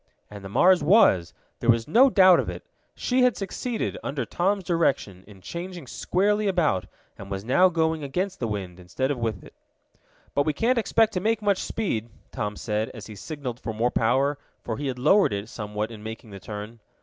And the Mars was. There was no doubt of it. She had succeeded, under Tom's direction, in changing squarely about, and was now going against the wind, instead of with it. "But we can't expect to make much speed," Tom said, as he signaled for more power, for he had lowered it somewhat in making the turn.